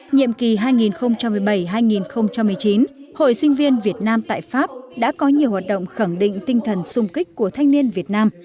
nhiệm kỳ hai nghìn một mươi bảy hai nghìn một mươi chín hội sinh viên việt nam tại pháp đã có nhiều hoạt động khẳng định tinh thần sung kích của thanh niên việt nam